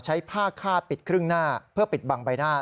ใช้ผ้าคาดปิดครึ่งหน้าเพื่อปิดบังใบหน้า